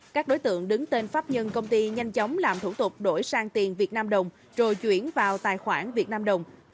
các đối tượng đứng tên pháp nhân công ty nhanh chóng làm thủ tục đổi sang tiền việt nam đồng